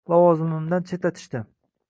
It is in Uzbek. Lavozimimdan chetlatishdi